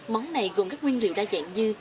món này gồm các nguyên liệu đa dạng như